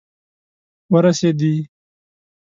ورسیدي